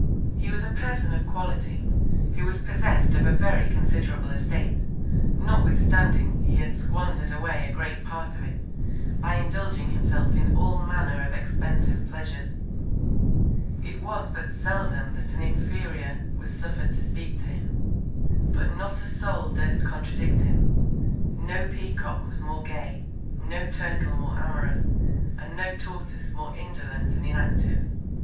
He was a Person of Quality, who was possess'd of a very considerable Estate, notwithstanding he had squander'd away a great Part of it, by indulging himself in all Manner of expensive Pleasures. It was but seldom that an Inferior was suffer'd to speak to him; but not a Soul durst contradict him: No Peacock was more gay; no Turtle more amorous; and no Tortoise more indolent and inactive.